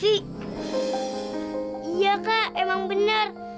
iya kak emang benar